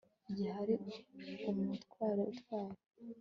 gihe hari umutware utwara